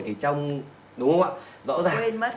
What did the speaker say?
thì trong đúng không ạ